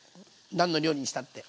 何の料理にしたって。